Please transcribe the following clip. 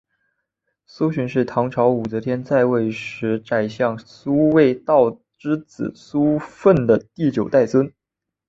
苏洵是唐朝武则天在位时的宰相苏味道之子苏份的第九代孙。